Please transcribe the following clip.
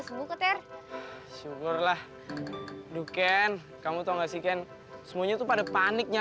sampai jumpa di video selanjutnya